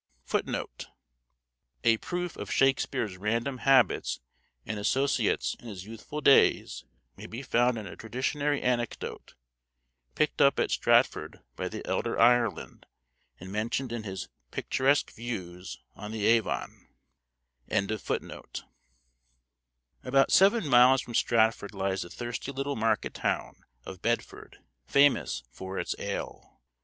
A proof of Shakespeare's random habits and associates in his youthful days may be found in a traditionary anecdote, picked up at Stratford by the elder Ireland, and mentioned in his "Picturesque Views on the Avon." About seven miles from Stratford lies the thirsty little market town of Bedford, famous for its ale.